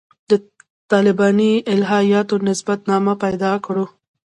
د طالباني الهیاتو نسب نامه پیدا کړو.